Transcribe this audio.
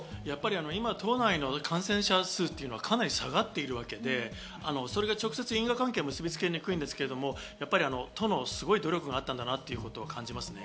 都内の感染者数が今下がっているわけで、直接、因果関係を結び付けにくいんですけど、都のすごい努力があったんだなということを感じますね。